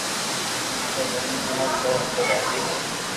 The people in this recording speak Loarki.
سبي ني ھڻاوُ ڪو اپي راجي ھون